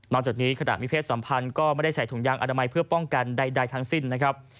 จากนี้ขณะมีเพศสัมพันธ์ก็ไม่ได้ใส่ถุงยางอนามัยเพื่อป้องกันใดทั้งสิ้นนะครับ